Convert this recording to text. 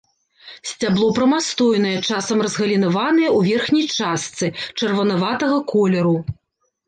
Сцябло прамастойнае, часам разгалінаванае ў верхняй частцы, чырванаватага колеру.